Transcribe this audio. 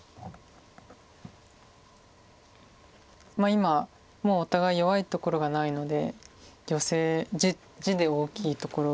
今もうお互い弱いところがないのでヨセ地で大きいところを打つんですが。